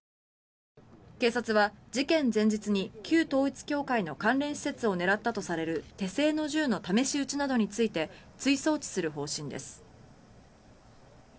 警察は事件前日に旧統一教会の関連施設を狙ったとされる手製の銃の試し撃ちなどについて追送致する方針です。